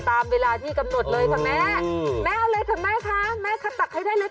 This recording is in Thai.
ตามเวลาที่กำหนดเลยค่ะแม่แม่เอาเลยค่ะแม่คะแม่คะตักให้ได้เลย